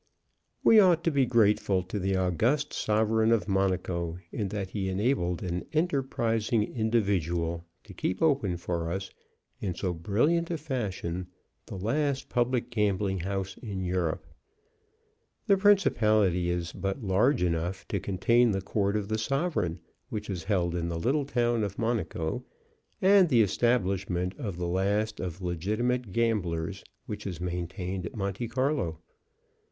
We ought to be grateful to the august sovereign of Monaco in that he enabled an enterprising individual to keep open for us in so brilliant a fashion the last public gambling house in Europe. The principality is but large enough to contain the court of the sovereign which is held in the little town of Monaco, and the establishment of the last of legitimate gamblers which is maintained at Monte Carlo.